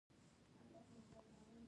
واکسین څه ته وایي